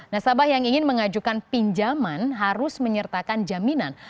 nasabah yang ingin mengajukan pinjaman harus menyertakan jaminan